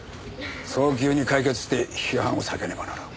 早急に解決して批判を避けねばならん。